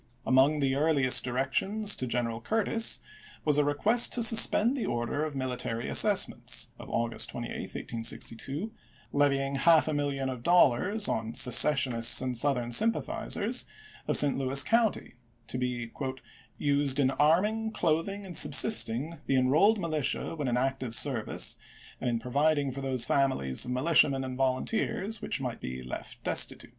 Among the earliest directions to General Curtis was a request to suspend the order of mili tary assessments (of August 28, 1862), levying half a million of dollars on "secessionists and Southern sympathizers " of St. Louis County, to be " used in arming, clothing, and subsisting the Enrolled Militia when in active service, and in providing for those families of militiamen and volunteers which might be left destitute."